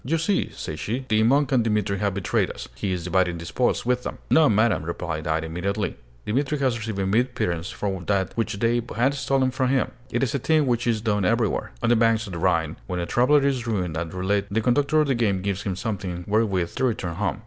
"You see," said she, "the monk and Dimitri have betrayed us: he is dividing the spoils with them." "No, madam," replied I, immediately. "Dimitri has received a mere pittance from that which they had stolen from him. It is a thing which is done everywhere. On the banks of the Rhine, when a traveler is ruined at roulette, the conductor of the game gives him something wherewith to return home."